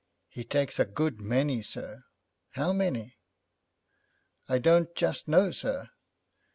'He takes a good many, sir.' 'How many?' 'I don't just know, sir.'